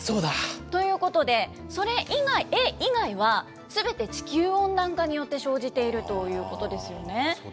ということで、それ以外、エ以外はすべて地球温暖化によって生じているということですよね。